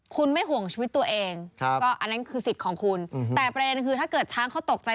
คุณไม่ห่วงชีวิตตัวเองอันนั้นคือสิทธิ์ของคุณแต่ประเด็นคือถ้าเกิดช้างเขาตกใจ